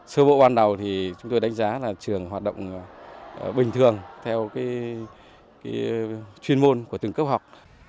sơ bộ ban đầu thì chúng tôi đánh giá là trường hoạt động bình thường theo chuyên môn của từng cấp học